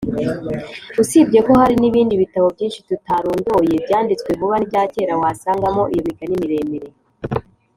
Usibye ko hari n’ibindi bitabo byinshi tutarondoye byanditswe vuba n’ibya kera wasangamo iyo migani miremire